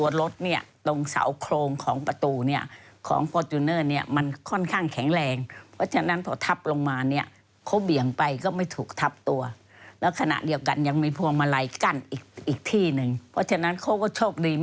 คุณพี่ฟังนะครับที่ผู้เชี่ยวชาญก็บอกไว้นะครับทุกมันชมครับ